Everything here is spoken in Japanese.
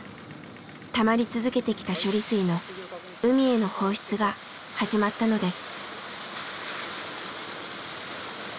たまり続けてきた処理水の海への放出が始まったのです。